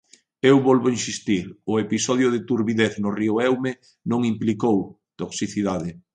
Eu volvo insistir: o episodio de turbidez no río Eume non implicou toxicidade.